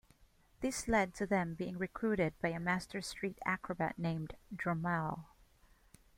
This led to them being recruited by a master street acrobat named Dromale.